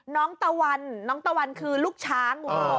น้องตะวันน้องตะวันคือลูกช้าง